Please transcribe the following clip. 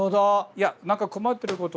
いや何か困ってることない？